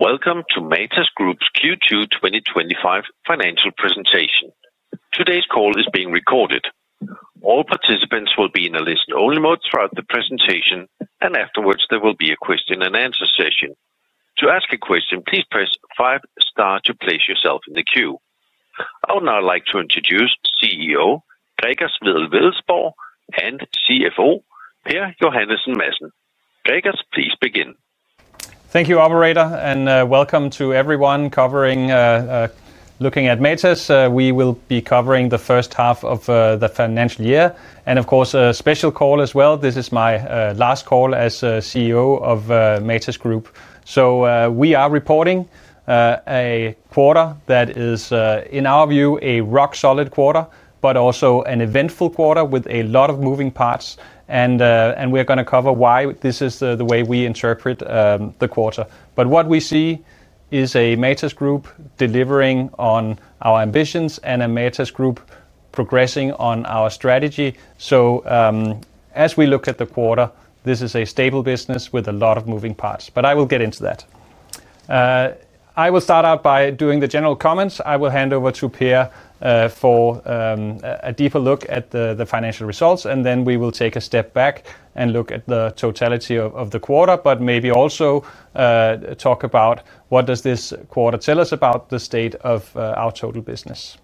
Welcome to Matas Group's Q2 2025 financial presentation. Today's call is being recorded. All participants will be in a listen-only mode throughout the presentation, and afterwards there will be a question-and-answer session. To ask a question, please press five-star to place yourself in the queue. I would now like to introduce CEO Gregers Wedell-Wedellsborg and CFO Per Johannesen Madsen. Gregers, please begin. Thank you, Operator, and welcome to everyone covering, looking at Matas. We will be covering the first half of the financial year and, of course, a special call as well. This is my last call as CEO of Matas Group. We are reporting a quarter that is, in our view, a rock-solid quarter, but also an eventful quarter with a lot of moving parts. We are going to cover why this is the way we interpret the quarter. What we see is a Matas Group delivering on our ambitions and a Matas Group progressing on our strategy. As we look at the quarter, this is a stable business with a lot of moving parts, but I will get into that. I will start out by doing the general comments. I will hand over to Per for a deeper look at the financial results, and then we will take a step back and look at the totality of the quarter, but maybe also talk about what does this quarter tell us about the state of our total business.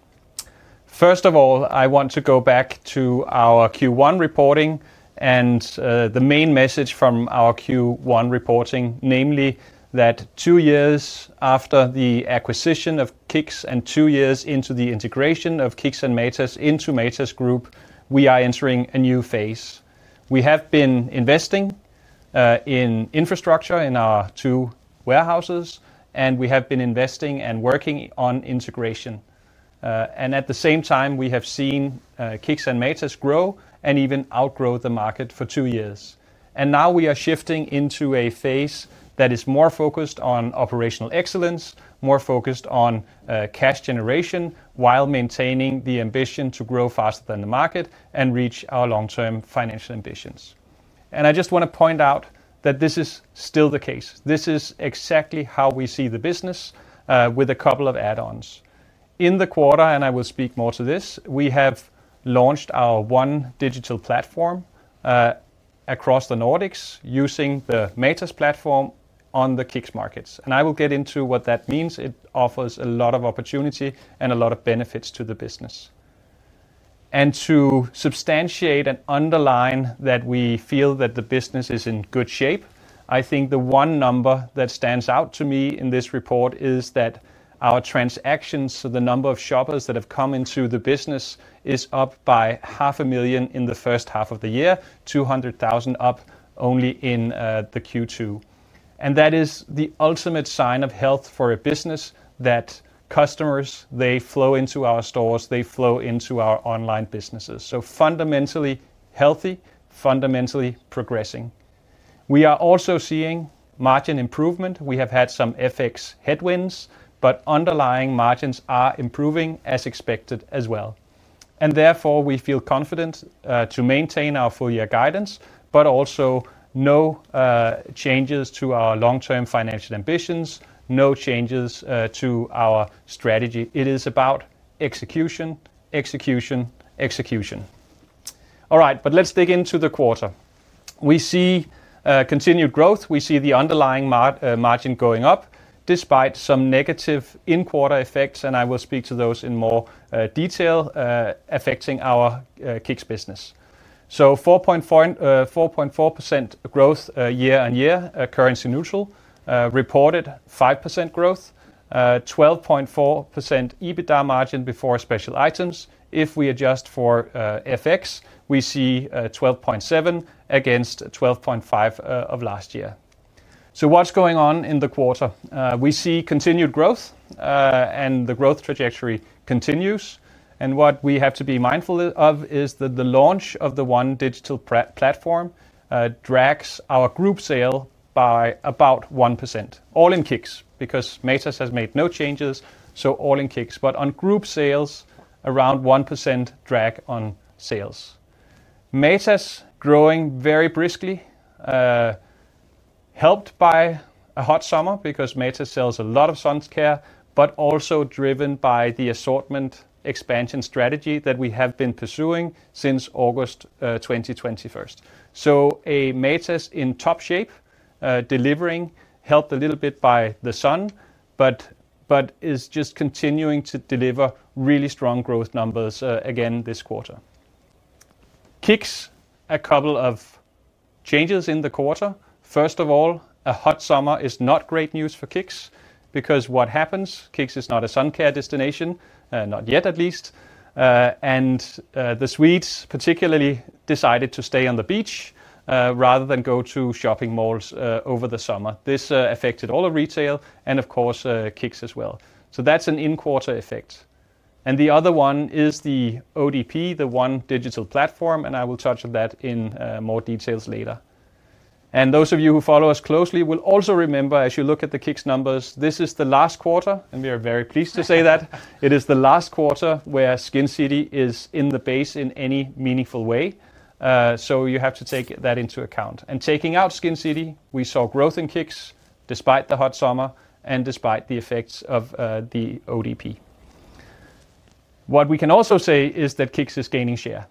First of all, I want to go back to our Q1 reporting and the main message from our Q1 reporting, namely that two years after the acquisition of KICKS and two years into the integration of KICKS and Matas into Matas Group, we are entering a new phase. We have been investing in infrastructure in our two warehouses, and we have been investing and working on integration. At the same time, we have seen KICKS and Matas grow and even outgrow the market for two years. We are shifting into a phase that is more focused on operational excellence, more focused on cash generation while maintaining the ambition to grow faster than the market and reach our long-term financial ambitions. I just want to point out that this is still the case. This is exactly how we see the business with a couple of add-ons. In the quarter, and I will speak more to this, we have launched our one digital platform across the Nordics using the Matas platform on the KICKS markets. I will get into what that means. It offers a lot of opportunity and a lot of benefits to the business. To substantiate and underline that we feel that the business is in good shape, I think the one number that stands out to me in this report is that our transactions, so the number of shoppers that have come into the business, is up by 500,000 in the first half of the year, 200,000 up only in the Q2. That is the ultimate sign of health for a business that customers, they flow into our stores, they flow into our online businesses. Fundamentally healthy, fundamentally progressing. We are also seeing margin improvement. We have had some FX headwinds, but underlying margins are improving as expected as well. Therefore, we feel confident to maintain our full-year guidance, but also no changes to our long-term financial ambitions, no changes to our strategy. It is about execution, execution, execution. All right, let's dig into the quarter. We see continued growth. We see the underlying margin going up despite some negative in-quarter effects, and I will speak to those in more detail affecting our KICKS business. 4.4% growth year-on-year, currency neutral, reported 5% growth, 12.4% EBITDA margin before special items. If we adjust for FX, we see 12.7% against 12.5% of last year. What's going on in the quarter? We see continued growth, and the growth trajectory continues. What we have to be mindful of is that the launch of the One Digital Platform drags our group sale by about 1%, all in KICKS because Matas has made no changes, so all in KICKS. On group sales, around 1% drag on sales. Matas growing very briskly, helped by a hot summer because Matas sells a lot of sun care, but also driven by the assortment expansion strategy that we have been pursuing since August 2021. So a Matas in top shape, delivering, helped a little bit by the sun, but is just continuing to deliver really strong growth numbers again this quarter. KICKS, a couple of changes in the quarter. First of all, a hot summer is not great news for KICKS because what happens? KICKS is not a sun care destination, not yet at least. And the Swedes particularly decided to stay on the beach rather than go to shopping malls over the summer. This affected all of retail and, of course, KICKS as well. That is an in-quarter effect. The other one is the ODP, the one digital platform, and I will touch on that in more details later. Those of you who follow us closely will also remember, as you look at the KICKS numbers, this is the last quarter, and we are very pleased to say that. It is the last quarter where Skin City is in the base in any meaningful way. You have to take that into account. Taking out Skin City, we saw growth in KICKS despite the hot summer and despite the effects of the ODP. What we can also say is that KICKS is gaining share,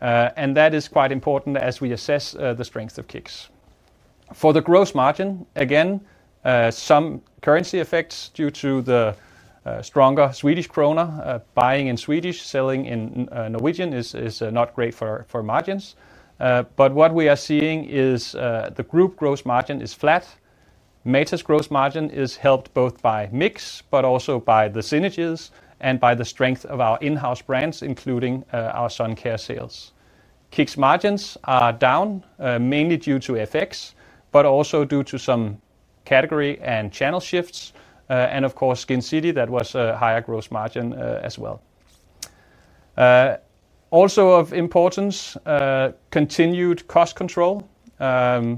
and that is quite important as we assess the strength of KICKS. For the gross margin, again, some currency effects due to the stronger Swedish krona, buying in Swedish, selling in Norwegian is not great for margins. What we are seeing is the group gross margin is flat. Matas gross margin is helped both by mix but also by the synergies and by the strength of our in-house brands, including our sun care sales. KICKS margins are down mainly due to FX, but also due to some category and channel shifts. Of course, Skin City, that was a higher gross margin as well. Also of importance, continued cost control.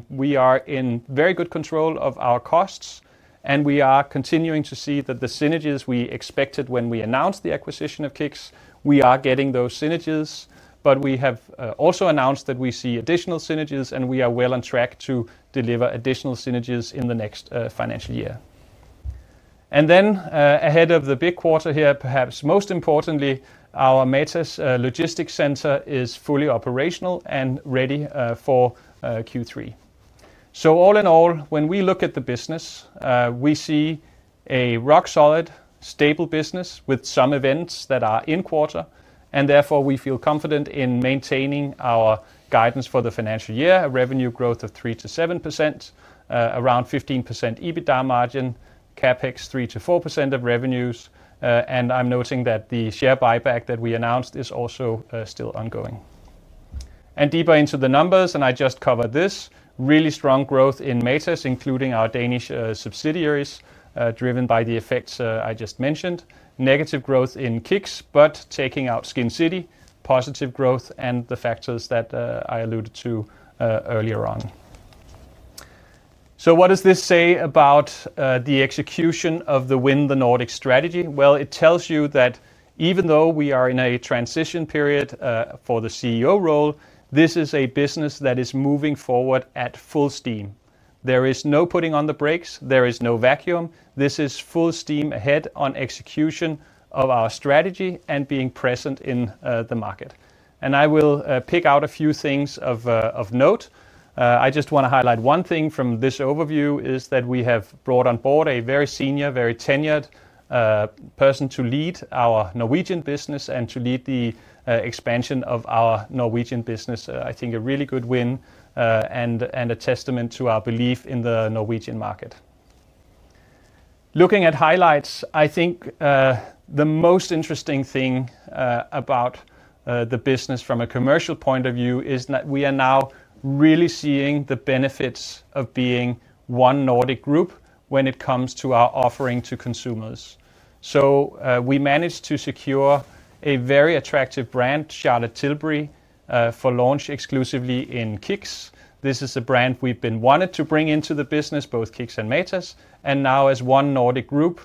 We are in very good control of our costs, and we are continuing to see that the synergies we expected when we announced the acquisition of KICKS, we are getting those synergies. We have also announced that we see additional synergies, and we are well on track to deliver additional synergies in the next financial year. Ahead of the big quarter here, perhaps most importantly, our Matas Logistics Center is fully operational and ready for Q3. All in all, when we look at the business, we see a rock-solid, stable business with some events that are in quarter, and therefore we feel confident in maintaining our guidance for the financial year, a revenue growth of 3%-7%, around 15% EBITDA margin, CapEx 3%-4% of revenues. I'm noting that the share buyback that we announced is also still ongoing. Deeper into the numbers, and I just covered this, really strong growth in Matas, including our Danish subsidiaries, driven by the effects I just mentioned. Negative growth in KICKS, but taking out Skin City, positive growth and the factors that I alluded to earlier on. What does this say about the execution of the Win the Nordics strategy? It tells you that even though we are in a transition period for the CEO role, this is a business that is moving forward at full steam. There is no putting on the brakes. There is no vacuum. This is full steam ahead on execution of our strategy and being present in the market. I will pick out a few things of note. I just want to highlight one thing from this overview is that we have brought on board a very senior, very tenured person to lead our Norwegian business and to lead the expansion of our Norwegian business. I think a really good win and a testament to our belief in the Norwegian market. Looking at highlights, I think the most interesting thing about the business from a commercial point of view is that we are now really seeing the benefits of being one Nordic group when it comes to our offering to consumers. We managed to secure a very attractive brand, Charlotte Tilbury, for launch exclusively in KICKS. This is a brand we've been wanting to bring into the business, both KICKS and Matas. Now as one Nordic group,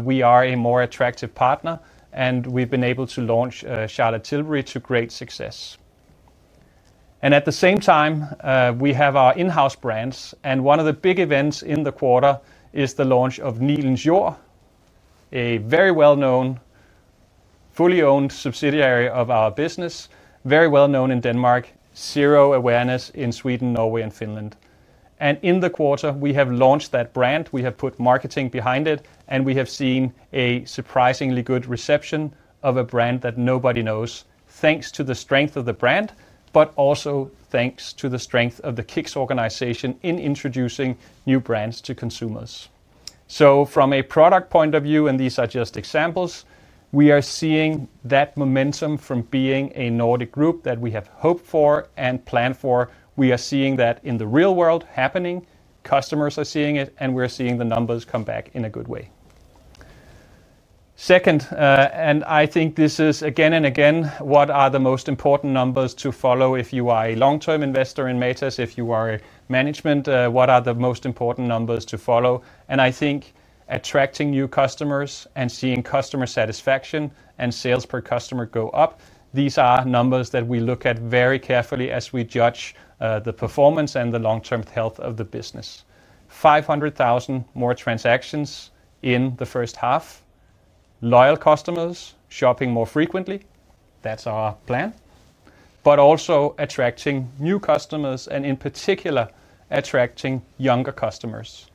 we are a more attractive partner, and we've been able to launch Charlotte Tilbury to great success. At the same time, we have our in-house brands, and one of the big events in the quarter is the launch of Nølens Jør, a very well-known, fully owned subsidiary of our business, very well-known in Denmark, zero awareness in Sweden, Norway, and Finland. In the quarter, we have launched that brand. We have put marketing behind it, and we have seen a surprisingly good reception of a brand that nobody knows, thanks to the strength of the brand, but also thanks to the strength of the KICKS organization in introducing new brands to consumers. From a product point of view, and these are just examples, we are seeing that momentum from being a Nordic group that we have hoped for and planned for. We are seeing that in the real world happening. Customers are seeing it, and we're seeing the numbers come back in a good way. Second, and I think this is again and again, what are the most important numbers to follow if you are a long-term investor in Matas, if you are a management, what are the most important numbers to follow? I think attracting new customers and seeing customer satisfaction and sales per customer go up, these are numbers that we look at very carefully as we judge the performance and the long-term health of the business. 500,000 more transactions in the first half, loyal customers shopping more frequently. That is our plan. Also attracting new customers and in particular, attracting younger customers.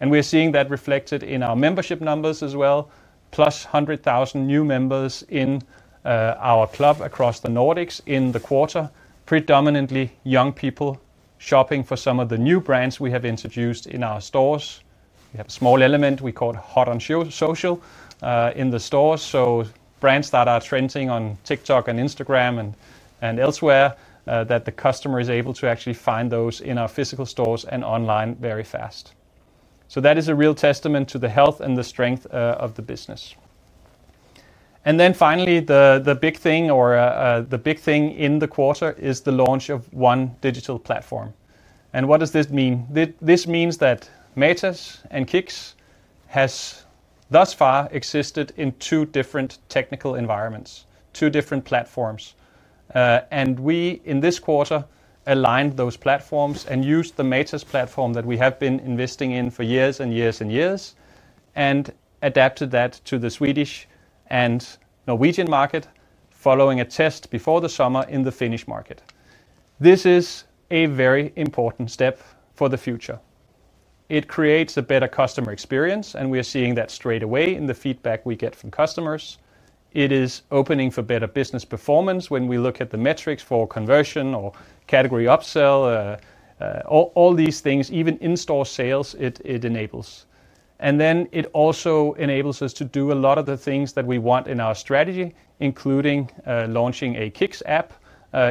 We are seeing that reflected in our membership numbers as well, plus 100,000 new members in our club across the Nordics in the quarter, predominantly young people shopping for some of the new brands we have introduced in our stores. We have a small element we call hot on social in the stores, so brands that are trending on TikTok and Instagram and elsewhere, that the customer is able to actually find those in our physical stores and online very fast. That is a real testament to the health and the strength of the business. Finally, the big thing or the big thing in the quarter is the launch of one digital platform. What does this mean? This means that Matas and KICKS have thus far existed in two different technical environments, two different platforms. We in this quarter aligned those platforms and used the Matas platform that we have been investing in for years and years and years, and adapted that to the Swedish and Norwegian market, following a test before the summer in the Finnish market. This is a very important step for the future. It creates a better customer experience, and we are seeing that straight away in the feedback we get from customers. It is opening for better business performance when we look at the metrics for conversion or category upsell, all these things, even in-store sales, it enables. It also enables us to do a lot of the things that we want in our strategy, including launching a KICKS app,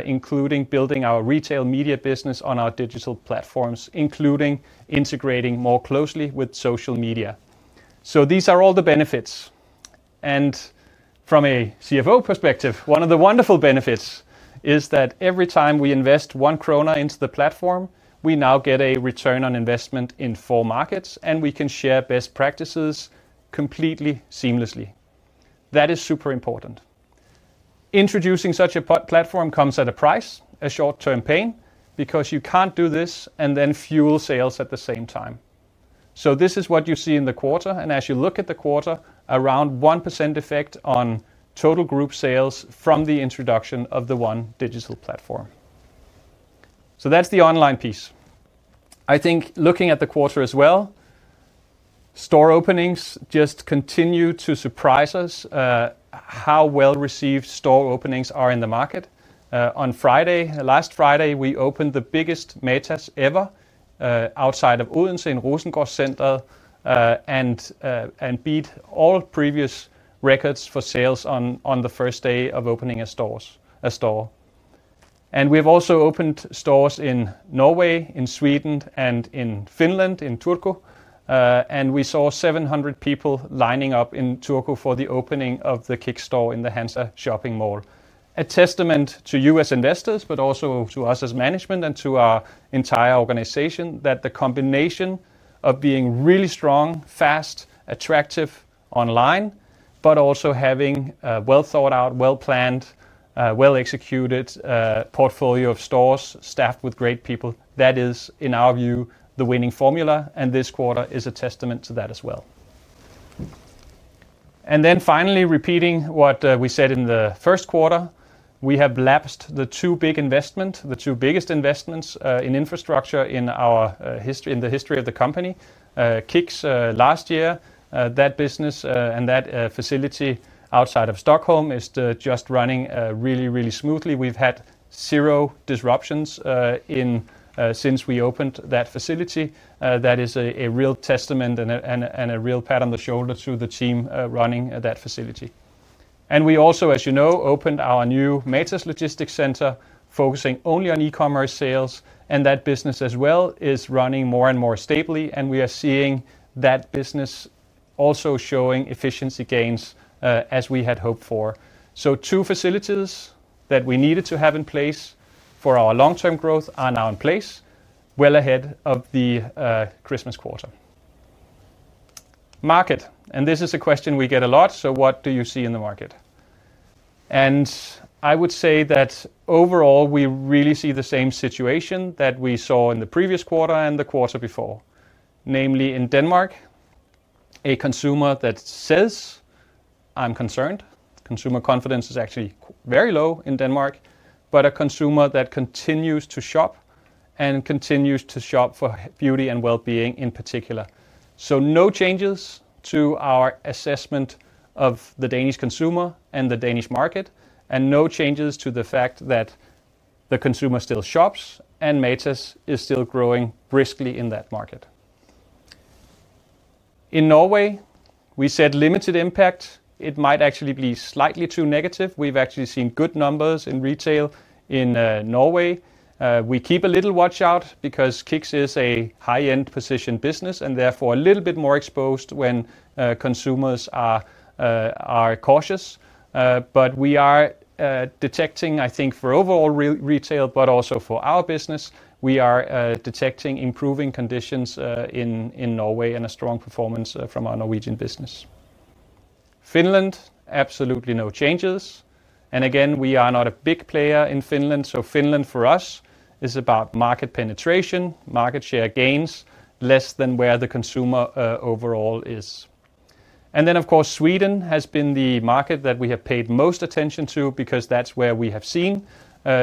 including building our retail media business on our digital platforms, including integrating more closely with social media. These are all the benefits. From a CFO perspective, one of the wonderful benefits is that every time we invest one krone into the platform, we now get a return on investment in four markets, and we can share best practices completely seamlessly. That is super important. Introducing such a platform comes at a price, a short-term pain, because you can't do this and then fuel sales at the same time. This is what you see in the quarter, and as you look at the quarter, around 1% effect on total group sales from the introduction of the One Digital Platform. That is the online piece. I think looking at the quarter as well, store openings just continue to surprise us how well-received store openings are in the market. On Friday, last Friday, we opened the biggest Matas ever outside of Odense in Rosengård Center and beat all previous records for sales on the first day of opening a store. We have also opened stores in Norway, in Sweden, and in Finland, in Turku. We saw 700 people lining up in Turku for the opening of the KICKS store in the Hansa shopping mall. A testament to you as investors, but also to us as management and to our entire organization that the combination of being really strong, fast, attractive online, but also having a well-thought-out, well-planned, well-executed portfolio of stores staffed with great people, that is, in our view, the winning formula. This quarter is a testament to that as well. Finally, repeating what we said in the first quarter, we have lapsed the two big investments, the two biggest investments in infrastructure in the history of the company. KICKS last year, that business and that facility outside of Stockholm is just running really, really smoothly. We have had zero disruptions since we opened that facility. That is a real testament and a real pat on the shoulder to the team running that facility. We also, as you know, opened our new Matas Logistics Center focusing only on e-commerce sales, and that business as well is running more and more stably, and we are seeing that business also showing efficiency gains as we had hoped for. Two facilities that we needed to have in place for our long-term growth are now in place, well ahead of the Christmas quarter. Market, and this is a question we get a lot, what do you see in the market? I would say that overall, we really see the same situation that we saw in the previous quarter and the quarter before, namely in Denmark, a consumer that says I'm concerned. Consumer confidence is actually very low in Denmark, but a consumer that continues to shop and continues to shop for beauty and well-being in particular. No changes to our assessment of the Danish consumer and the Danish market, and no changes to the fact that the consumer still shops and Matas is still growing briskly in that market. In Norway, we said limited impact. It might actually be slightly too negative. We've actually seen good numbers in retail in Norway. We keep a little watch out because KICKS is a high-end position business and therefore a little bit more exposed when consumers are cautious. We are detecting, I think, for overall retail, but also for our business, we are detecting improving conditions in Norway and a strong performance from our Norwegian business. Finland, absolutely no changes. Again, we are not a big player in Finland, so Finland for us is about market penetration, market share gains, less than where the consumer overall is. Of course, Sweden has been the market that we have paid most attention to because that's where we have seen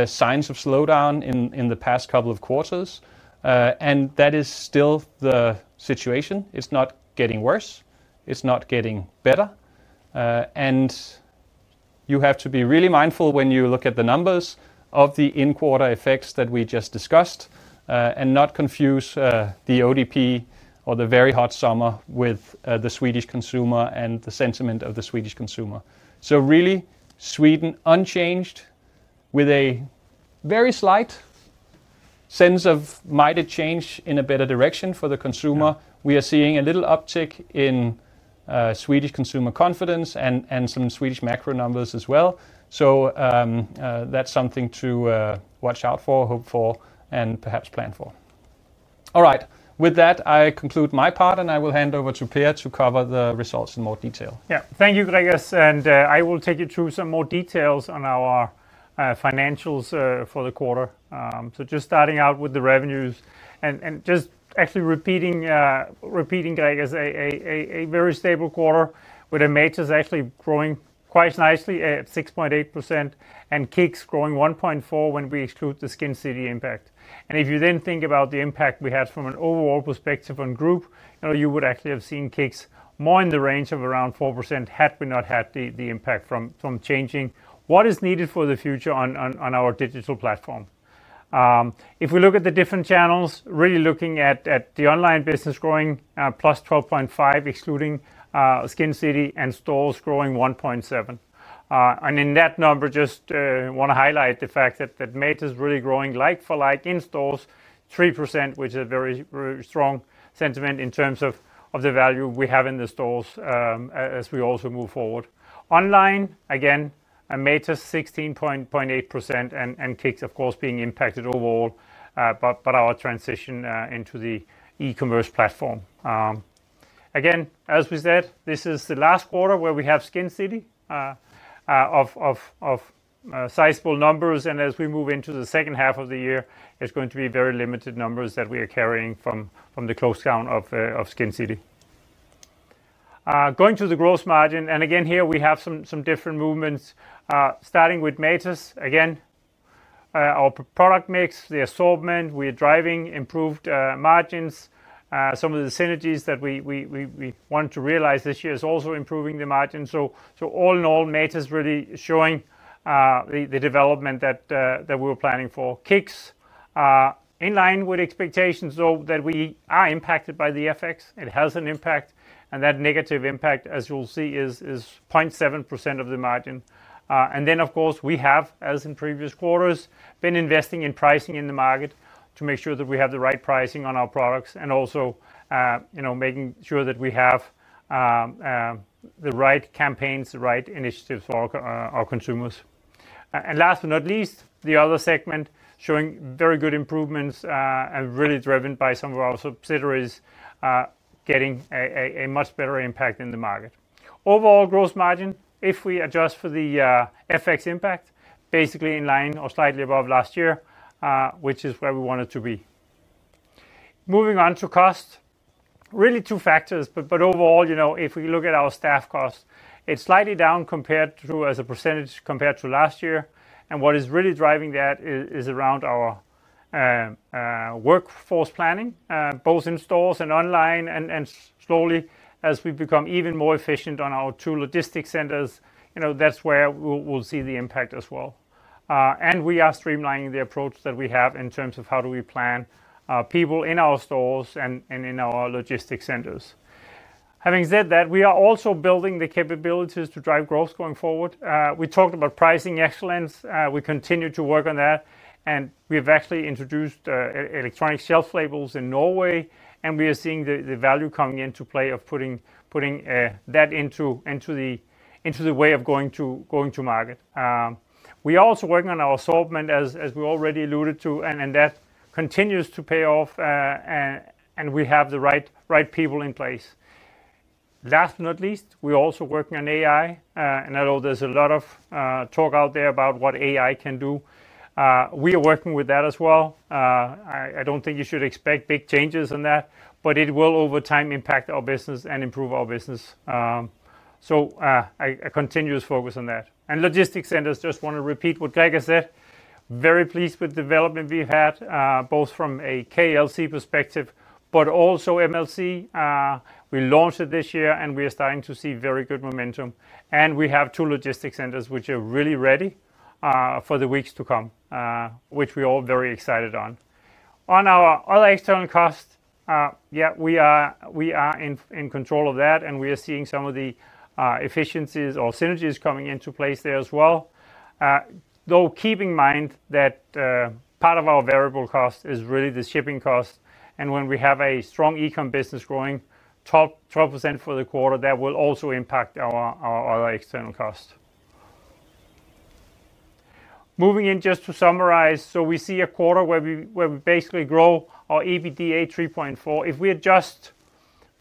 signs of slowdown in the past couple of quarters. That is still the situation. It's not getting worse. It's not getting better. You have to be really mindful when you look at the numbers of the in-quarter effects that we just discussed and not confuse the ODP or the very hot summer with the Swedish consumer and the sentiment of the Swedish consumer. Really, Sweden unchanged with a very slight sense of might it change in a better direction for the consumer. We are seeing a little uptick in Swedish consumer confidence and some Swedish macro numbers as well. That's something to watch out for, hope for, and perhaps plan for. All right. With that, I conclude my part, and I will hand over to Per to cover the results in more detail. Yeah. Thank you, Gregers. And I will take you through some more details on our financials for the quarter. Just starting out with the revenues and just actually repeating, Gregers, a very stable quarter with Matas actually growing quite nicely at 6.8% and KICKS growing 1.4% when we exclude the Skin City impact. If you then think about the impact we had from an overall perspective on group, you would actually have seen KICKS more in the range of around 4% had we not had the impact from changing what is needed for the future on our digital platform. If we look at the different channels, really looking at the online business growing plus 12.5% excluding Skin City and stores growing 1.7%. In that number, just want to highlight the fact that Matas is really growing like for like in stores, 3%, which is a very strong sentiment in terms of the value we have in the stores as we also move forward. Online, again, Matas 16.8% and KICKS, of course, being impacted overall, but our transition into the e-commerce platform. Again, as we said, this is the last quarter where we have Skin City of sizable numbers, and as we move into the second half of the year, it is going to be very limited numbers that we are carrying from the close down of Skin City. Going to the gross margin, and again, here we have some different movements, starting with Matas. Again, our product mix, the assortment, we are driving improved margins. Some of the synergies that we want to realize this year is also improving the margin. All in all, Matas is really showing the development that we were planning for. KICKS, in line with expectations, though, we are impacted by the FX, it has an impact, and that negative impact, as you'll see, is 0.7% of the margin. Of course, we have, as in previous quarters, been investing in pricing in the market to make sure that we have the right pricing on our products and also making sure that we have the right campaigns, the right initiatives for our consumers. Last but not least, the other segment showing very good improvements and really driven by some of our subsidiaries getting a much better impact in the market. Overall gross margin, if we adjust for the FX impact, basically in line or slightly above last year, which is where we wanted to be. Moving on to cost, really two factors, but overall, if we look at our staff cost, it's slightly down compared to as a percentage compared to last year. What is really driving that is around our workforce planning, both in stores and online, and slowly, as we become even more efficient on our two logistics centers, that's where we'll see the impact as well. We are streamlining the approach that we have in terms of how do we plan people in our stores and in our logistics centers. Having said that, we are also building the capabilities to drive growth going forward. We talked about pricing excellence. We continue to work on that, and we have actually introduced electronic shelf labels in Norway, and we are seeing the value coming into play of putting that into the way of going to market. We are also working on our assortment, as we already alluded to, and that continues to pay off, and we have the right people in place. Last but not least, we are also working on AI, and I know there is a lot of talk out there about what AI can do. We are working with that as well. I do not think you should expect big changes in that, but it will over time impact our business and improve our business. A continuous focus on that. Logistics centers, just want to repeat what Gregers said. Very pleased with the development we have had, both from a KLC perspective, but also MLC. We launched it this year, and we are starting to see very good momentum. We have two logistics centers which are really ready for the weeks to come, which we are all very excited on. On our other external cost, yeah, we are in control of that, and we are seeing some of the efficiencies or synergies coming into place there as well. Though keep in mind that part of our variable cost is really the shipping cost, and when we have a strong e-com business growing, 12% for the quarter, that will also impact our other external cost. Moving in just to summarize, we see a quarter where we basically grow our EBITDA 3.4. If we adjust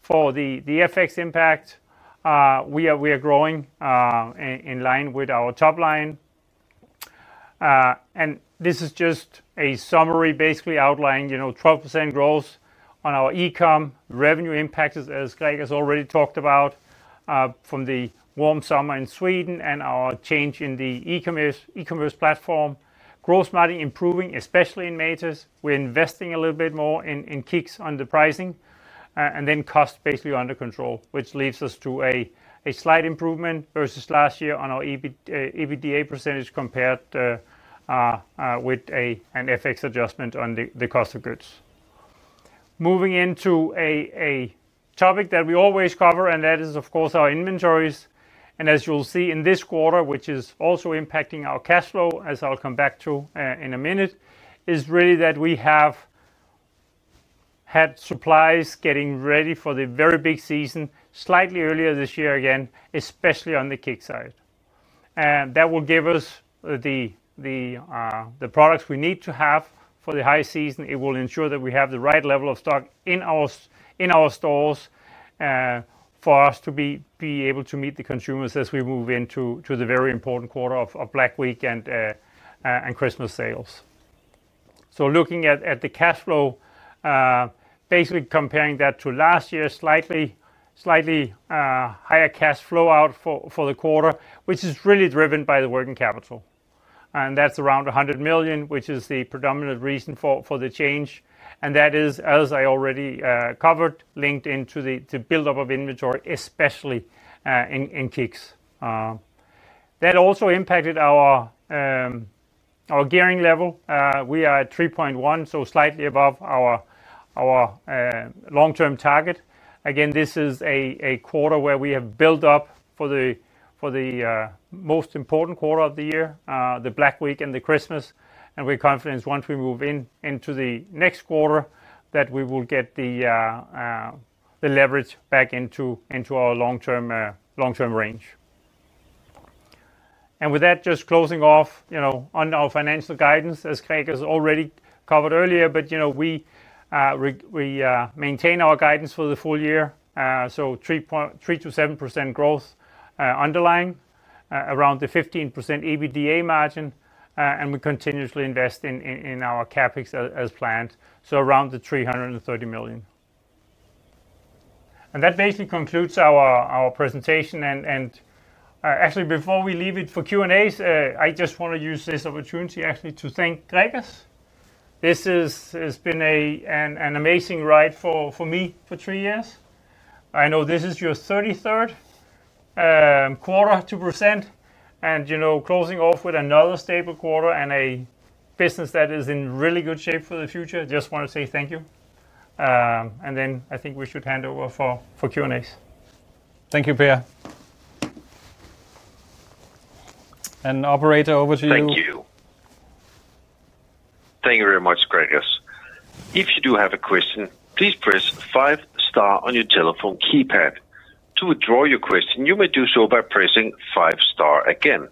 for the FX impact, we are growing in line with our top line. This is just a summary basically outlining 12% growth on our e-com revenue impact, as Gregers already talked about from the warm summer in Sweden and our change in the e-commerce platform. Gross margin improving, especially in Matas. We're investing a little bit more in KICKS on the pricing, and then cost basically under control, which leads us to a slight improvement versus last year on our EBITDA percentage compared with an FX adjustment on the cost of goods. Moving into a topic that we always cover, and that is, of course, our inventories. As you'll see in this quarter, which is also impacting our cash flow, as I'll come back to in a minute, it is really that we have had supplies getting ready for the very big season slightly earlier this year again, especially on the KICKS side. That will give us the products we need to have for the high season. It will ensure that we have the right level of stock in our stores for us to be able to meet the consumers as we move into the very important quarter of Black Week and Christmas sales. Looking at the cash flow, basically comparing that to last year, slightly higher cash flow out for the quarter, which is really driven by the working capital. That is around 100 million, which is the predominant reason for the change. That is, as I already covered, linked into the buildup of inventory, especially in KICKS. That also impacted our gearing level. We are at 3.1, so slightly above our long-term target. This is a quarter where we have built up for the most important quarter of the year, the Black Week and the Christmas. We are confident once we move into the next quarter that we will get the leverage back into our long-term range. With that, just closing off on our financial guidance, as Gregers already covered earlier, we maintain our guidance for the full year. 3-7% growth underlying, around the 15% EBITDA margin, and we continuously invest in our CapEx as planned, so around 330 million. That basically concludes our presentation. Actually, before we leave it for Q&As, I just want to use this opportunity to thank Gregers. This has been an amazing ride for me for three years. I know this is your 33rd quarter to present, and closing off with another stable quarter and a business that is in really good shape for the future, I just want to say thank you. I think we should hand over for Q&As.. Thank you, Per. Operator, over to you. Thank you. Thank you very much, Gregers. If you do have a question, please press five star on your telephone keypad. To withdraw your question, you may do so by pressing five star again.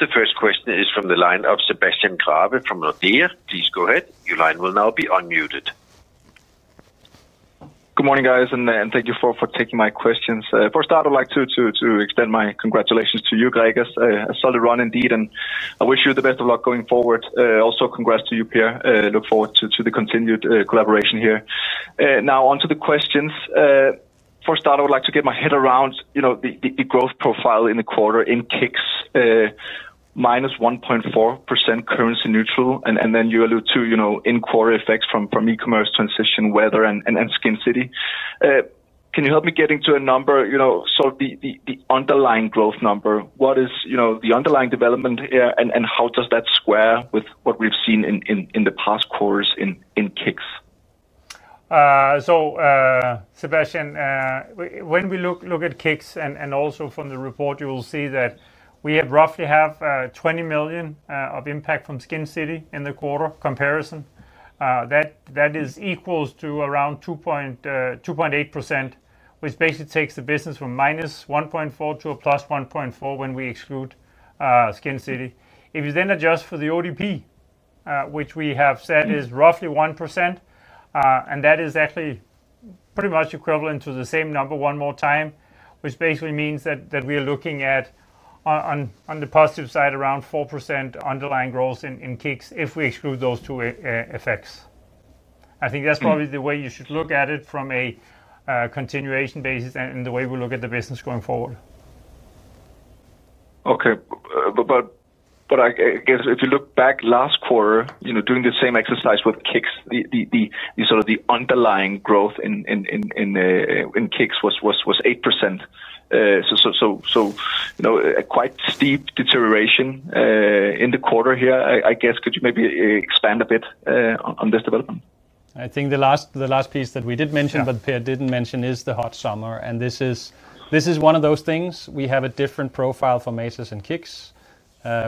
The first question is from the line of Sebastian Grave from Nordea. Please go ahead. Your line will now be unmuted. Good morning, guys, and thank you for taking my questions. For starter, I'd like to extend my congratulations to you, Gregers. A solid run indeed, and I wish you the best of luck going forward. Also, congrats to you, Per. Look forward to the continued collaboration here. Now, on to the questions. For starter, I'd like to get my head around the growth profile in the quarter in KICKS, minus 1.4%, currency neutral, and then you allude to in-quarter effects from e-commerce transition, weather, and Skin City. Can you help me get into a number, sort of the underlying growth number? What is the underlying development here, and how does that square with what we've seen in the past quarters in KICKS? So, Sebastian, when we look at KICKS, and also from the report, you will see that we roughly have 20 million of impact from Skin City in the quarter comparison. That is equal to around 2.8%, which basically takes the business from minus 1.4% to a plus 1.4% when we exclude Skin City. If you then adjust for the ODP, which we have said is roughly 1%, and that is actually pretty much equivalent to the same number one more time, which basically means that we are looking at on the positive side around 4% underlying growth in KICKS if we exclude those two effects. I think that's probably the way you should look at it from a continuation basis and the way we look at the business going forward. Okay. I guess if you look back last quarter, doing the same exercise with KICKS, sort of the underlying growth in KICKS was 8%. Quite steep deterioration in the quarter here. I guess, could you maybe expand a bit on this development? I think the last piece that we did mention, but Per did not mention, is the hot summer. This is one of those things. We have a different profile for Matas and KICKS.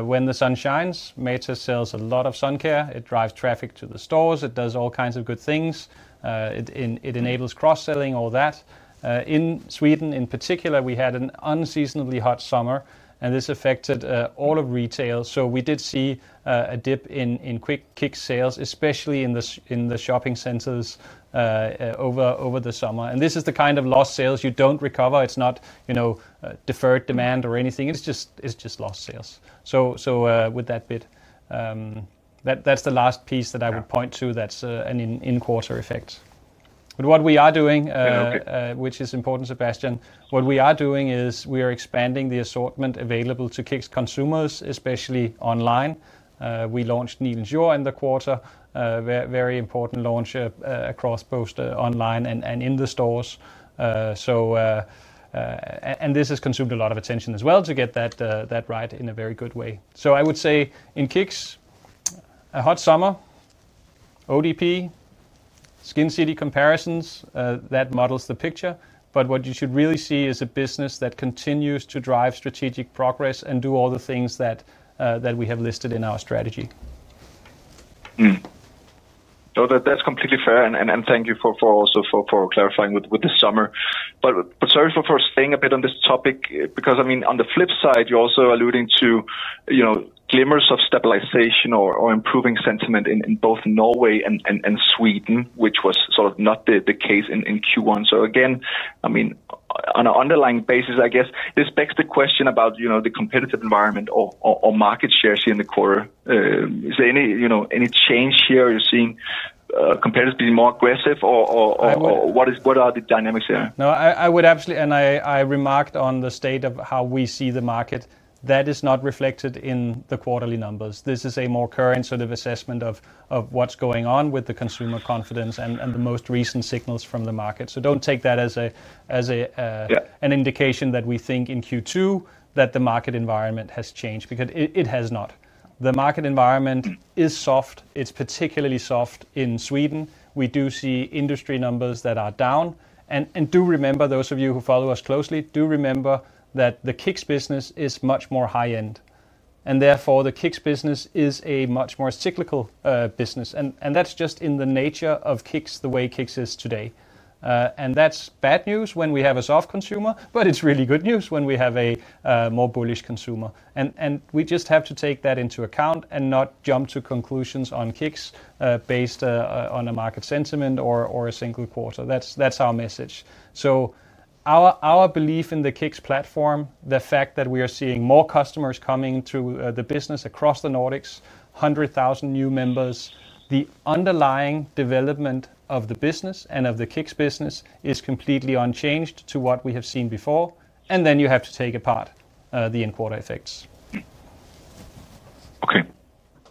When the sun shines, Matas sells a lot of sun care. It drives traffic to the stores. It does all kinds of good things. It enables cross-selling, all that. In Sweden, in particular, we had an unseasonably hot summer, and this affected all of retail. We did see a dip in KICKS sales, especially in the shopping centers over the summer. This is the kind of lost sales you do not recover. It is not deferred demand or anything. It is just lost sales. With that bit, that is the last piece that I would point to that is an in-quarter effect. What we are doing, which is important, Sebastian, what we are doing is we are expanding the assortment available to KICKS consumers, especially online. We launched Nølens Jør in the quarter, very important launch across both online and in the stores. This has consumed a lot of attention as well to get that right in a very good way. I would say in KICKS, a hot summer, ODP, Skin City comparisons, that models the picture. What you should really see is a business that continues to drive strategic progress and do all the things that we have listed in our strategy. That's completely fair, and thank you also for clarifying with the summer. Sorry for staying a bit on this topic, because on the flip side, you're also alluding to glimmers of stabilization or improving sentiment in both Norway and Sweden, which was sort of not the case in Q1. Again, on an underlying basis, I guess, this begs the question about the competitive environment or market shares here in the quarter. Is there any change here? Are you seeing competitors being more aggressive, or what are the dynamics there? No, I would absolutely, and I remarked on the state of how we see the market. That is not reflected in the quarterly numbers. This is a more current sort of assessment of what's going on with the consumer confidence and the most recent signals from the market. Do not take that as an indication that we think in Q2 that the market environment has changed, because it has not. The market environment is soft. It's particularly soft in Sweden. We do see industry numbers that are down. And do remember, those of you who follow us closely, do remember that the KICKS business is much more high-end. Therefore, the KICKS business is a much more cyclical business. That is just in the nature of KICKS, the way KICKS is today. That is bad news when we have a soft consumer, but it is really good news when we have a more bullish consumer. We just have to take that into account and not jump to conclusions on KICKS based on a market sentiment or a single quarter. That is our message. Our belief in the KICKS platform, the fact that we are seeing more customers coming to the business across the Nordics, 100,000 new members, the underlying development of the business and of the KICKS business is completely unchanged to what we have seen before. You have to take apart the in-quarter effects.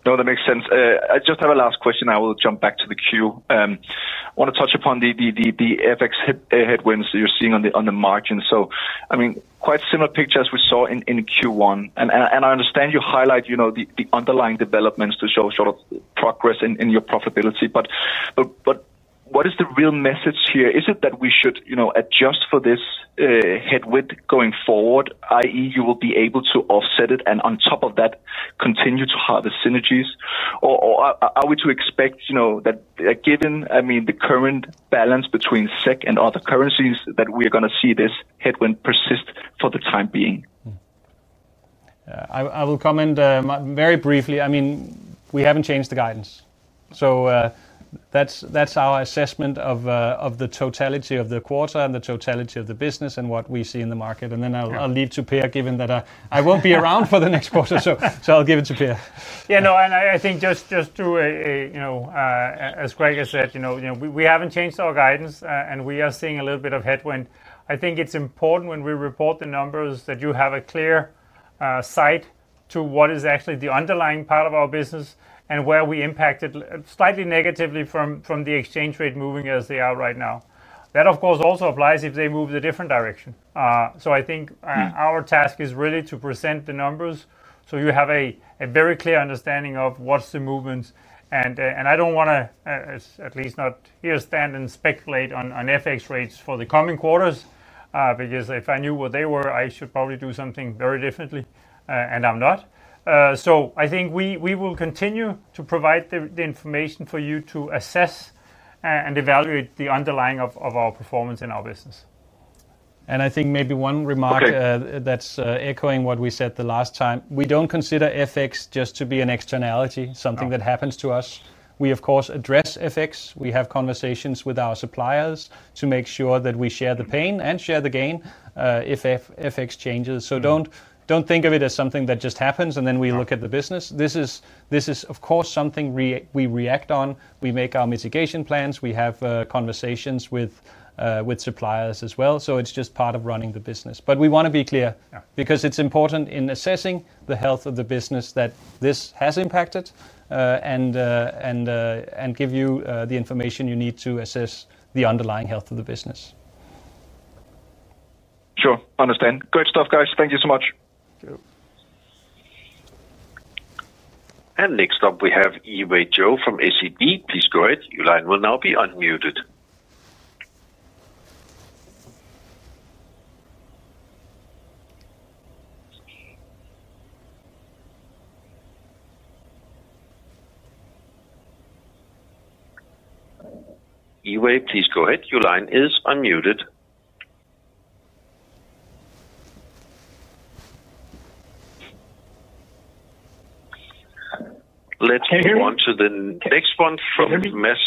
Okay. No, that makes sense. I just have a last question. I will jump back to the queue. I want to touch upon the FX headwinds that you're seeing on the margins. Quite similar pictures we saw in Q1. I understand you highlight the underlying developments to show sort of progress in your profitability. What is the real message here? Is it that we should adjust for this headwind going forward, i.e., you will be able to offset it and on top of that continue to harvest synergies? Are we to expect that given the current balance between SEK and other currencies that we are going to see this headwind persist for the time being? I will comment very briefly. We haven't changed the guidance. That is our assessment of the totality of the quarter and the totality of the business and what we see in the market. I will leave to Per, given that I won't be around for the next quarter. I'll give it to Per. Yeah, no, and I think just too, as Gregers said, we haven't changed our guidance, and we are seeing a little bit of headwind. I think it's important when we report the numbers that you have a clear sight to what is actually the underlying part of our business and where we are impacted slightly negatively from the exchange rate moving as they are right now. That, of course, also applies if they move in a different direction. I think our task is really to present the numbers so you have a very clear understanding of what's the movement. I don't want to, at least not here, stand and speculate on FX rates for the coming quarters, because if I knew what they were, I should probably do something very differently, and I'm not. I think we will continue to provide the information for you to assess and evaluate the underlying of our performance in our business. I think maybe one remark that's echoing what we said the last time. We do not consider FX just to be an externality, something that happens to us. We, of course, address FX. We have conversations with our suppliers to make sure that we share the pain and share the gain if FX changes. Do not think of it as something that just happens and then we look at the business. This is, of course, something we react on. We make our mitigation plans. We have conversations with suppliers as well. It is just part of running the business. We want to be clear, because it's important in assessing the health of the business that this has impacted and give you the information you need to assess the underlying health of the business. Sure. Understand. Great stuff, guys. Thank you so much. Next up, we have Yiwei Zhou from SEB. Please go ahead. Your line will now be unmuted. Yiwei, please go ahead. Your line is unmuted. Let's move on to the next one from Mask.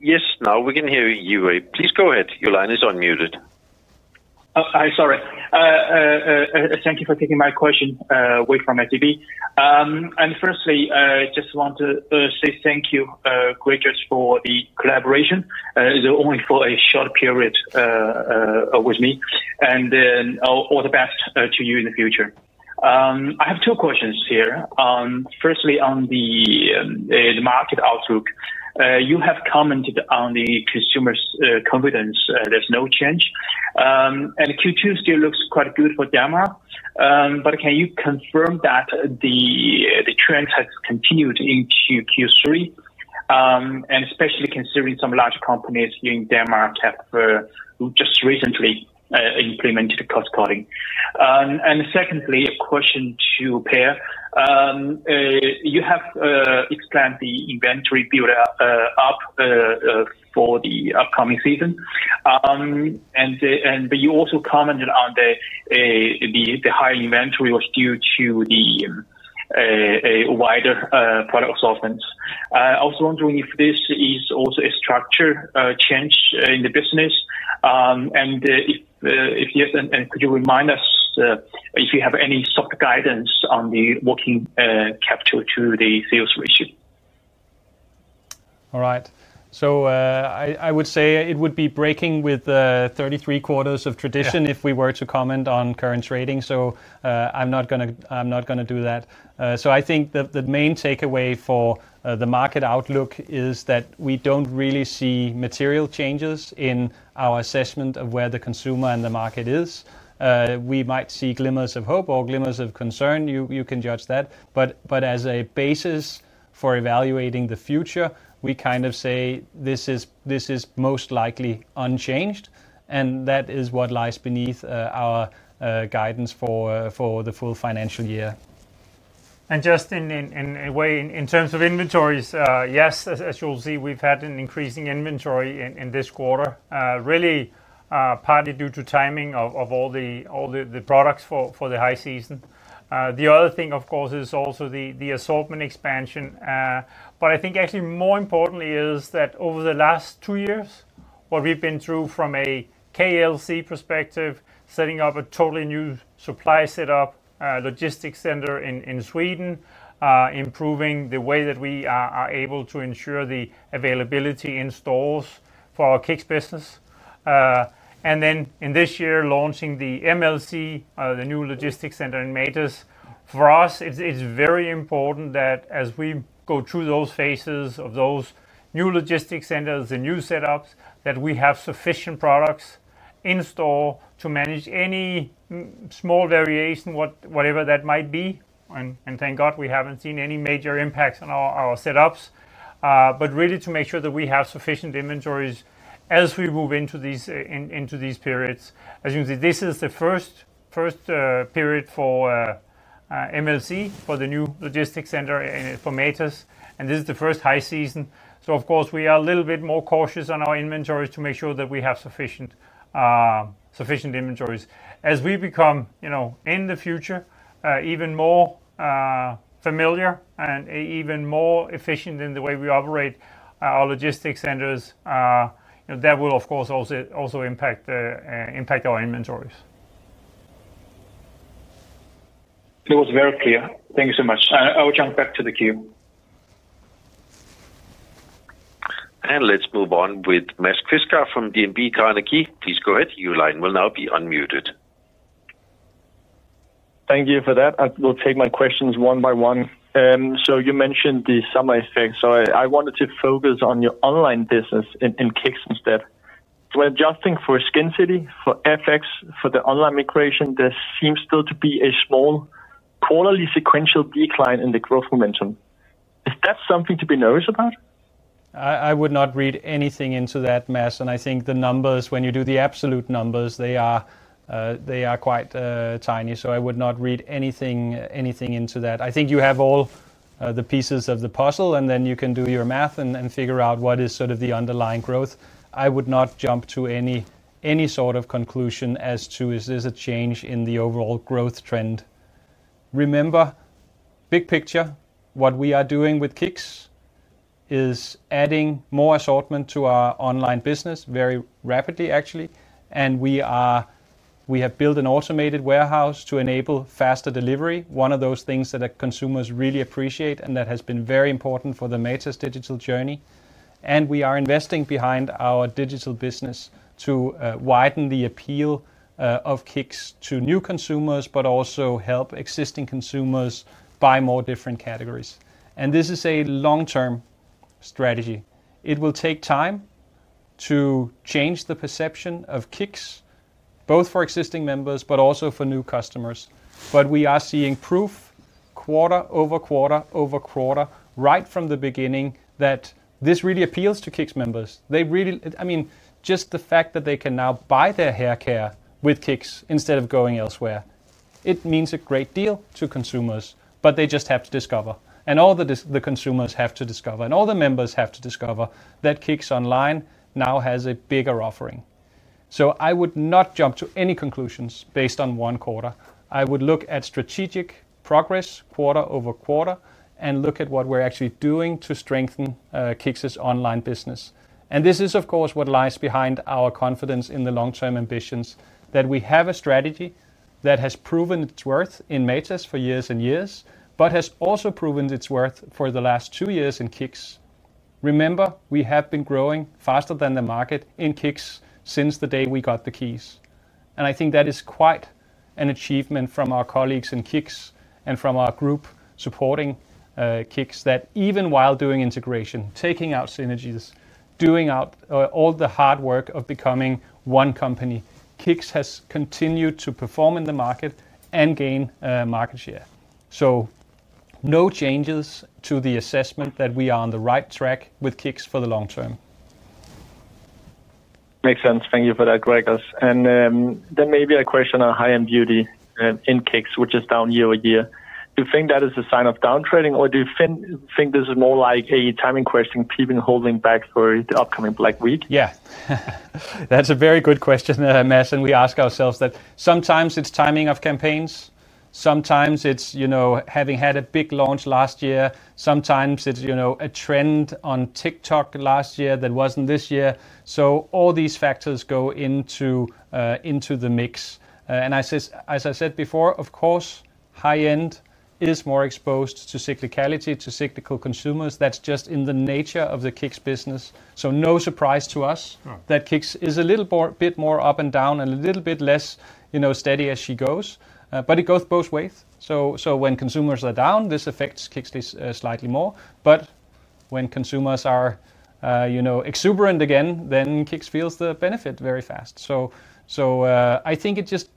Yes, now we can hear you, Yiwei. Please go ahead. Your line is unmuted. Hi, sorry. Thank you for taking my question, Yiwei from SEB. Firstly, I just want to say thank you, Gregers, for the collaboration. It's only for a short period with me. All the best to you in the future. I have two questions here. Firstly, on the market outlook, you have commented on the consumers' confidence. There's no change. Q2 still looks quite good for Denmark. Can you confirm that the trend has continued into Q3? Especially considering some large companies in Denmark have just recently implemented cost-cutting. Secondly, a question to Per. You have expanded the inventory build-up for the upcoming season. You also commented on the high inventory was due to the wider product assortments. I was wondering if this is also a structure change in the business. If yes, could you remind us if you have any soft guidance on the working capital to the sales ratio? All right. I would say it would be breaking with 33 quarters of tradition if we were to comment on current trading. I'm not going to do that. I think the main takeaway for the market outlook is that we do not really see material changes in our assessment of where the consumer and the market is. We might see glimmers of hope or glimmers of concern. You can judge that. As a basis for evaluating the future, we kind of say this is most likely unchanged. That is what lies beneath our guidance for the full financial year. In terms of inventories, yes, as you will see, we have had an increasing inventory in this quarter, really partly due to timing of all the products for the high season. The other thing, of course, is also the assortment expansion. I think actually more importantly is that over the last two years, what we've been through from a KLC perspective, setting up a totally new supply setup, logistics center in Sweden, improving the way that we are able to ensure the availability in stores for our KICKS business. In this year, launching the MLC, the new logistics center in Matas. For us, it's very important that as we go through those phases of those new logistics centers, the new setups, that we have sufficient products in store to manage any small variation, whatever that might be. Thank God we haven't seen any major impacts on our setups. Really to make sure that we have sufficient inventories as we move into these periods. As you can see, this is the first period for MLC, for the new logistics center for Matas. This is the first high season. Of course, we are a little bit more cautious on our inventories to make sure that we have sufficient inventories. As we become in the future even more familiar and even more efficient in the way we operate our logistics centers, that will, of course, also impact our inventories. It was very clear. Thank you so much. I will jump back to the queue. Let's move on with Mads Quistgaard from DNB Carnegie. Please go ahead. Your line will now be unmuted. Thank you for that. I will take my questions one by one. You mentioned the summer effect. I wanted to focus on your online business in KICKS instead. We are adjusting for Skin City, for FX, for the online migration. There seems still to be a small quarterly sequential decline in the growth momentum. Is that something to be nervous about? I would not read anything into that, Mass. I think the numbers, when you do the absolute numbers, they are quite tiny. I would not read anything into that. I think you have all the pieces of the puzzle, and then you can do your math and figure out what is sort of the underlying growth. I would not jump to any sort of conclusion as to is this a change in the overall growth trend. Remember, big picture, what we are doing with KICKS is adding more assortment to our online business, very rapidly, actually. We have built an automated warehouse to enable faster delivery, one of those things that consumers really appreciate and that has been very important for the Matas digital journey. We are investing behind our digital business to widen the appeal of KICKS to new consumers, but also help existing consumers buy more different categories. This is a long-term strategy. It will take time to change the perception of KICKS, both for existing members and for new customers. We are seeing proof quarter over quarter over quarter, right from the beginning, that this really appeals to KICKS members. Just the fact that they can now buy their haircare with KICKS instead of going elsewhere means a great deal to consumers, but they just have to discover. All the consumers have to discover. All the members have to discover that KICKS online now has a bigger offering. I would not jump to any conclusions based on one quarter. I would look at strategic progress quarter over quarter and look at what we're actually doing to strengthen KICKS's online business. This is, of course, what lies behind our confidence in the long-term ambitions, that we have a strategy that has proven its worth in Matas for years and years, but has also proven its worth for the last two years in KICKS. Remember, we have been growing faster than the market in KICKS since the day we got the keys. I think that is quite an achievement from our colleagues in KICKS and from our group supporting KICKS that even while doing integration, taking out synergies, doing all the hard work of becoming one company, KICKS has continued to perform in the market and gain market share. No changes to the assessment that we are on the right track with KICKS for the long term. Makes sense. Thank you for that, Gregers. Then maybe a question on high-end beauty in KICKS, which is down year-over-year. Do you think that is a sign of downtrending, or do you think this is more like a timing question, people holding back for the upcoming Black Week? Yeah. That's a very good question, Mads. We ask ourselves that. Sometimes it's timing of campaigns. Sometimes it's having had a big launch last year. Sometimes it's a trend on TikTok last year that was not this year. All these factors go into the mix. As I said before, of course, high-end is more exposed to cyclicality, to cyclical consumers. That's just in the nature of the KICKS business. No surprise to us that KICKS is a little bit more up and down and a little bit less steady as she goes. It goes both ways. When consumers are down, this affects KICKS slightly more. When consumers are exuberant again, then KICKS feels the benefit very fast. I think it just,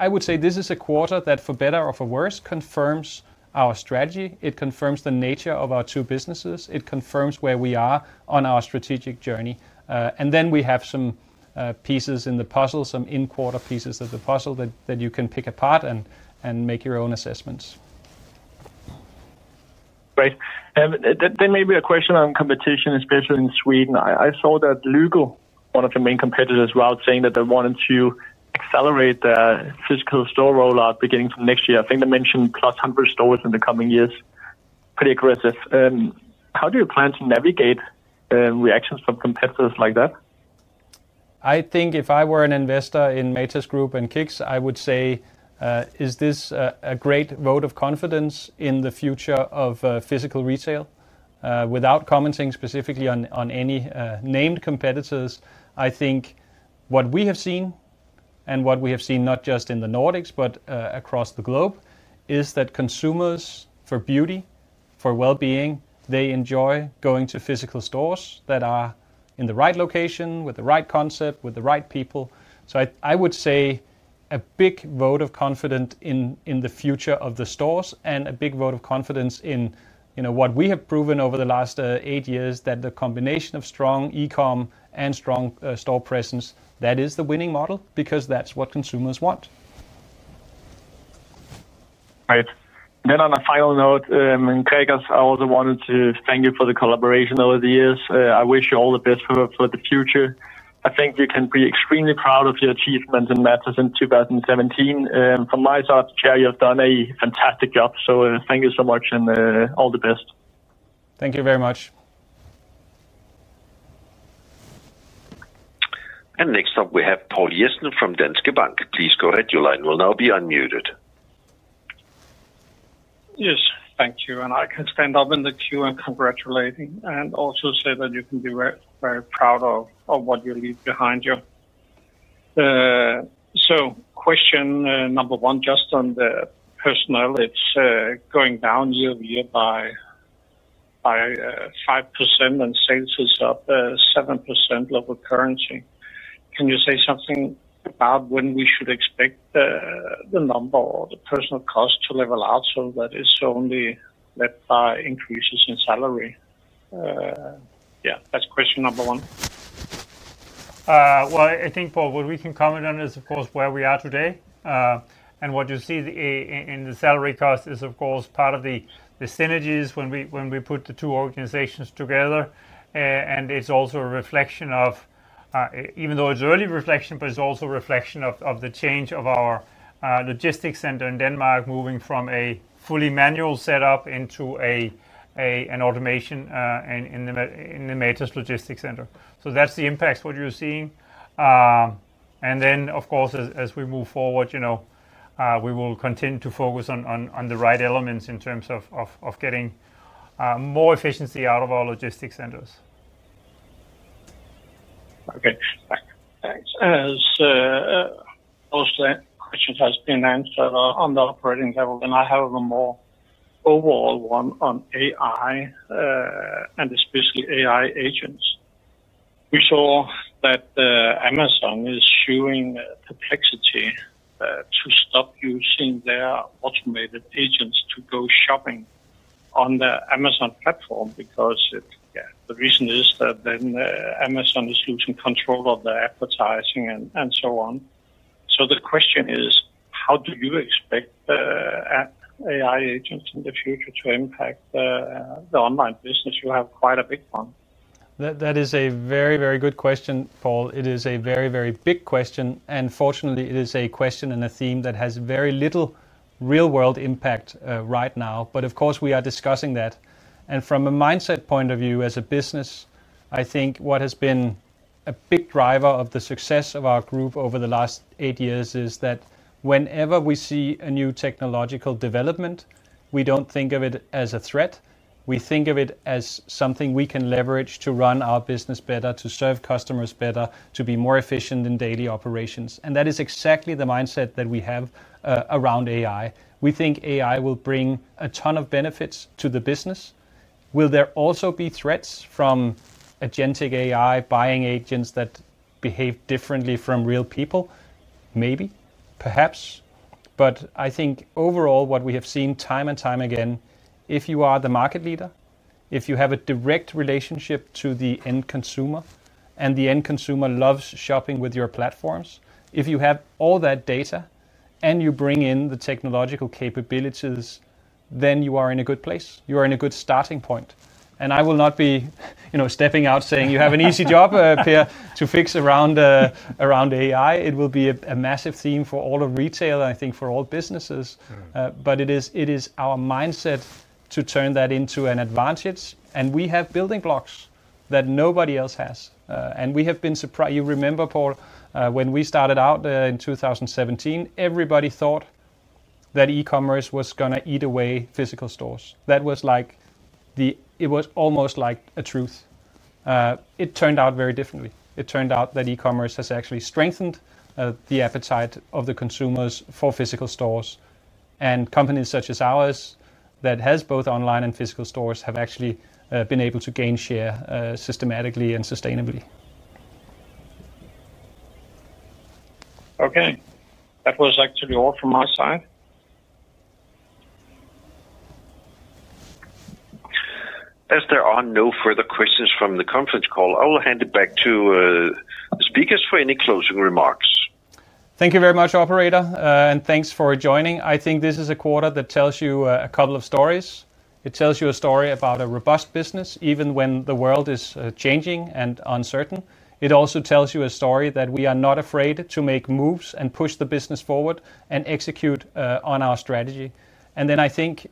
I would say, this is a quarter that, for better or for worse, confirms our strategy. It confirms the nature of our two businesses. It confirms where we are on our strategic journey. We have some pieces in the puzzle, some in-quarter pieces of the puzzle that you can pick apart and make your own assessments. Great. Maybe a question on competition, especially in Sweden. I saw that Lyko, one of the main competitors, was out saying that they wanted to accelerate their physical store rollout beginning from next year. I think they mentioned plus 100 stores in the coming years. Pretty aggressive. How do you plan to navigate reactions from competitors like that? I think if I were an investor in Matas Group and KICKS, I would say, is this a great vote of confidence in the future of physical retail? Without commenting specifically on any named competitors, I think what we have seen, and what we have seen not just in the Nordics, but across the globe, is that consumers, for beauty, for well-being, they enjoy going to physical stores that are in the right location, with the right concept, with the right people. I would say a big vote of confidence in the future of the stores and a big vote of confidence in what we have proven over the last eight years, that the combination of strong e-com and strong store presence, that is the winning model, because that's what consumers want. Great. On a final note, Gregers, I also wanted to thank you for the collaboration over the years. I wish you all the best for the future. I think you can be extremely proud of your achievements in Matas in 2017. From my side to share, you have done a fantastic job. Thank you so much and all the best. Thank you very much. Next up, we have Poul Jessen from Danske Bank. Please go ahead. Your line will now be unmuted. Yes, thank you. I can stand up in the queue and congratulate you and also say that you can be very proud of what you leave behind you. Question number one, just on the personnel. It's going down year over year by 5% and sales is up 7% of the current. Can you say something about when we should expect the number or the personal cost to level out so that it's only led by increases in salary? Yeah, that's question number one. I think what we can comment on is, of course, where we are today. What you see in the salary cost is, of course, part of the synergies when we put the two organizations together. It's also a reflection of, even though it's early reflection, but it's also a reflection of the change of our logistics center in Denmark moving from a fully manual setup into an automation in the Matas Logistics Center. That's the impacts what you're seeing. As we move forward, we will continue to focus on the right elements in terms of getting more efficiency out of our logistics centers. Okay. Thanks. As most of that question has been answered on the operating level, I have a more overall one on AI and especially AI agents. We saw that Amazon is showing Perplexity to stop using their automated agents to go shopping on the Amazon platform because the reason is that Amazon is losing control of the advertising and so on. The question is, how do you expect AI agents in the future to impact the online business? You have quite a big one. That is a very, very good question, Paul. It is a very, very big question. Fortunately, it is a question and a theme that has very little real-world impact right now. Of course, we are discussing that. From a mindset point of view, as a business, I think what has been a big driver of the success of our group over the last eight years is that whenever we see a new technological development, we do not think of it as a threat. We think of it as something we can leverage to run our business better, to serve customers better, to be more efficient in daily operations. That is exactly the mindset that we have around AI. We think AI will bring a ton of benefits to the business. Will there also be threats from agentic AI buying agents that behave differently from real people? Maybe, perhaps. I think overall, what we have seen time and time again, if you are the market leader, if you have a direct relationship to the end consumer, and the end consumer loves shopping with your platforms, if you have all that data and you bring in the technological capabilities, then you are in a good place. You are in a good starting point. I will not be stepping out saying, "You have an easy job, Pierre, to fix around AI." It will be a massive theme for all of retail, I think, for all businesses. It is our mindset to turn that into an advantage. We have building blocks that nobody else has. We have been surprised. You remember, Paul, when we started out in 2017, everybody thought that e-commerce was going to eat away physical stores. That was like the it was almost like a truth. It turned out very differently. It turned out that e-commerce has actually strengthened the appetite of the consumers for physical stores. And companies such as ours that has both online and physical stores have actually been able to gain share systematically and sustainably. Okay. That was actually all from my side. As there are no further questions from the conference call, I will hand it back to the speakers for any closing remarks. Thank you very much, Operator. And thanks for joining. I think this is a quarter that tells you a couple of stories. It tells you a story about a robust business, even when the world is changing and uncertain. It also tells you a story that we are not afraid to make moves and push the business forward and execute on our strategy. I think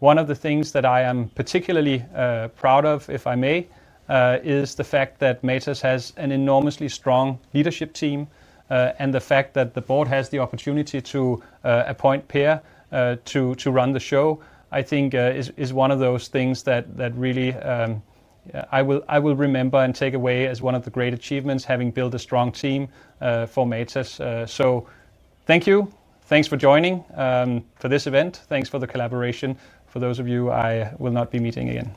one of the things that I am particularly proud of, if I may, is the fact that Matas has an enormously strong leadership team. The fact that the board has the opportunity to appoint Pierre to run the show, I think is one of those things that really I will remember and take away as one of the great achievements, having built a strong team for Matas. Thank you. Thanks for joining for this event. Thanks for the collaboration. For those of you, I will not be meeting again.